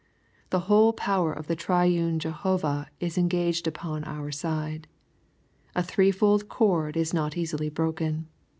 The whole power of the triune Jehovah is engaged upon our side. ^^ A three fold cordis not easily broken."